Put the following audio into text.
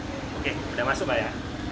oke sudah masuk pak ya